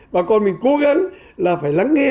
bà con mình cố gắng là phải lắng nghe